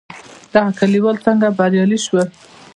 دغه کليوال څنګه بريالي شول؟